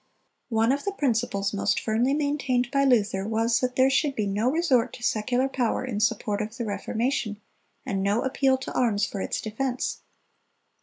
One of the principles most firmly maintained by Luther was that there should be no resort to secular power in support of the Reformation, and no appeal to arms for its defense.